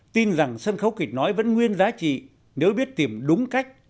tin rằng sân khấu kịch nói vẫn nguyên giá trị nếu biết tìm đúng cách